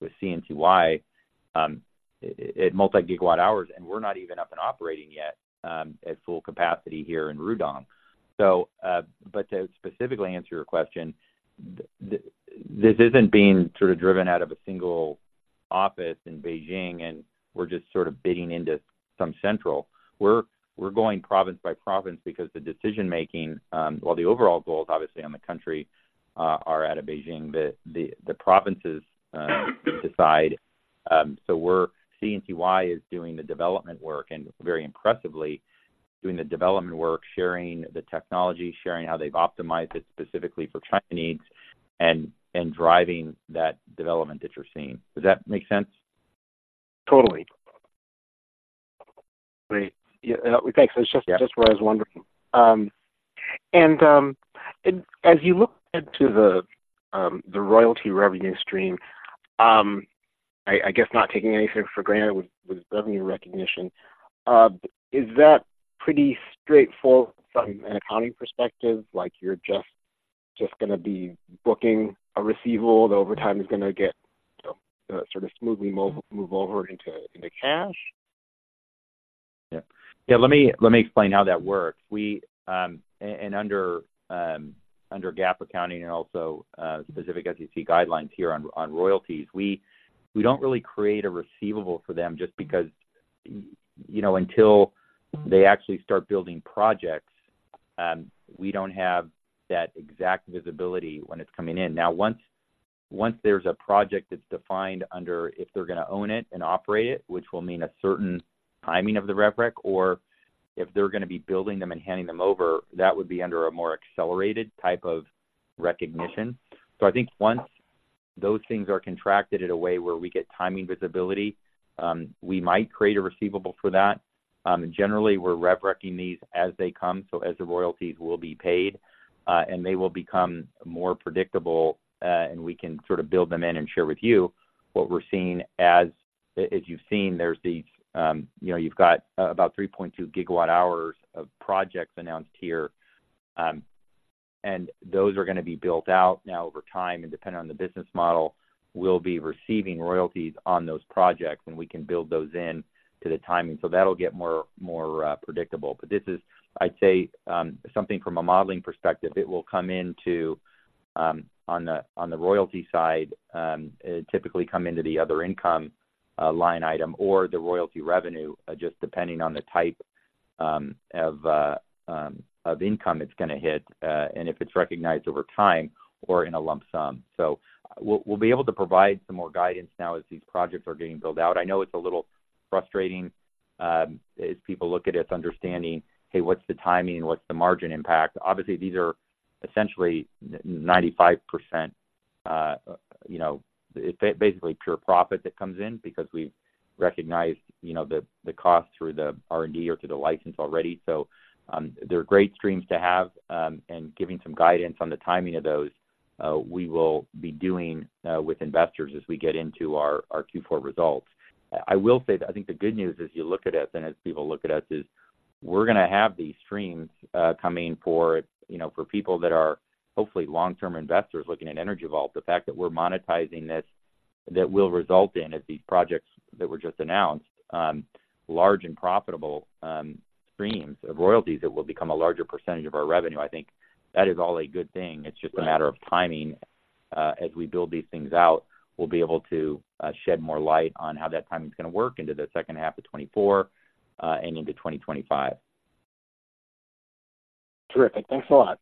with CNTY, at multi-gigawatt hours, and we're not even up and operating yet, at full capacity here in Rudong. So, but to specifically answer your question, this isn't being sort of driven out of a single office in Beijing, and we're just sort of bidding into some central. We're going province by province because the decision making, while the overall goals, obviously, on the country, are out of Beijing, the provinces decide. CNTY is doing the development work, and very impressively, doing the development work, sharing the technology, sharing how they've optimized it specifically for China needs and driving that development that you're seeing. Does that make sense? Totally. Great. Yeah, thanks. That's just, just what I was wondering. And, and as you look into the, the royalty revenue stream, I, I guess not taking anything for granted with, with revenue recognition, is that pretty straightforward from an accounting perspective? Like, you're just, just gonna be booking a receivable that over time is gonna get, you know, sort of smoothly move over into, into cash? Yeah. Yeah, let me explain how that works. We and under GAAP accounting and also specific SEC guidelines here on royalties, we don't really create a receivable for them just because, you know, until they actually start building projects, we don't have that exact visibility when it's coming in. Now, once there's a project that's defined under if they're gonna own it and operate it, which will mean a certain timing of the rev rec, or if they're gonna be building them and handing them over, that would be under a more accelerated type of recognition. So I think once those things are contracted in a way where we get timing visibility, we might create a receivable for that. Generally, we're Rev Rec-ing these as they come, so as the royalties will be paid, and they will become more predictable, and we can sort of build them in and share with you what we're seeing. As you've seen, there's these, you know, you've got about 3.2 GWh of projects announced here. And those are gonna be built out now over time, and depending on the business model, we'll be receiving royalties on those projects, and we can build those in to the timing. So that'll get more predictable. But this is, I'd say, something from a modeling perspective, it will come into on the royalty side typically come into the other income line item or the royalty revenue just depending on the type of income it's gonna hit and if it's recognized over time or in a lump sum. So we'll be able to provide some more guidance now as these projects are getting built out. I know it's a little frustrating as people look at us understanding, hey, what's the timing? What's the margin impact? Obviously, these are essentially 95% you know basically pure profit that comes in because we've recognized, you know, the cost through the R&D or through the license already. So, they're great streams to have, and giving some guidance on the timing of those, we will be doing with investors as we get into our, our Q4 results. I will say that I think the good news as you look at us and as people look at us, is we're gonna have these streams coming for, you know, for people that are hopefully long-term investors looking at Energy Vault. The fact that we're monetizing this, that will result in, as these projects that were just announced, large and profitable streams of royalties that will become a larger percentage of our revenue. I think that is all a good thing. It's just a matter of timing. As we build these things out, we'll be able to shed more light on how that timing is gonna work into the second half of 2024, and into 2025. Terrific. Thanks a lot.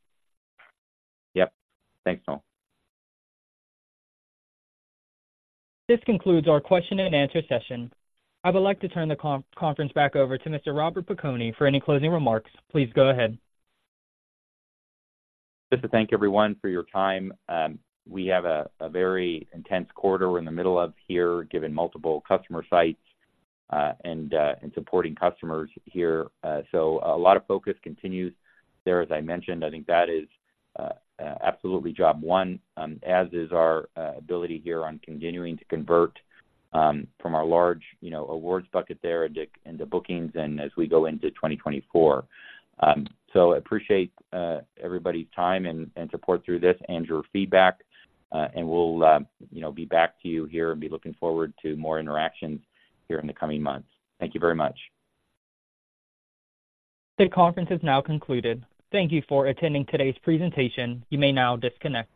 Yep. Thanks, Noel. This concludes our question-and-answer session. I would like to turn the conference back over to Mr. Robert Piconi for any closing remarks. Please go ahead. Just to thank everyone for your time. We have a, a very intense quarter we're in the middle of here, given multiple customer sites, and, and supporting customers here. So a lot of focus continues there. As I mentioned, I think that is, absolutely job one, as is our, ability here on continuing to convert, from our large, you know, awards bucket there into, into bookings and as we go into 2024. So appreciate, everybody's time and, and support through this and your feedback, and we'll, you know, be back to you here and be looking forward to more interactions here in the coming months. Thank you very much. The conference is now concluded. Thank you for attending today's presentation. You may now disconnect.